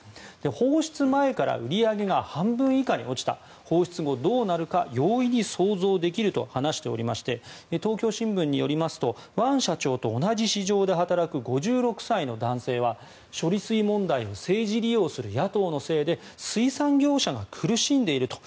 放出前から売り上げが半分以下に落ちた放出後、どうなるか容易に想像できると話しておりまして東京新聞によりますとワン社長と同じ市場で働く５６歳の男性は処理水問題を政治利用する野党のせいで水産業者が苦しんでいると。